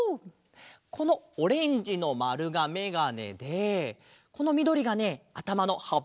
このオレンジのまるがめがねでこのみどりがねあたまのはっぱなんだって！